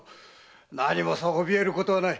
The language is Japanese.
何もそう怯えることはない。